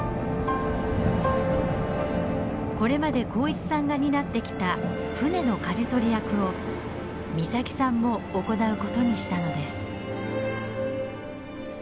これまで幸一さんが担ってきた船の舵取り役を岬さんも行うことにしたのです。